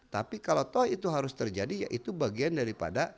tapi kalau toh itu harus terjadi ya itu bagian daripada